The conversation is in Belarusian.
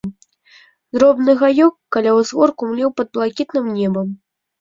Дробны гаёк, каля ўзгорку, млеў пад блакітным небам.